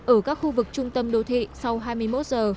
ở các khu vực trung tâm đô thị sau hai mươi một giờ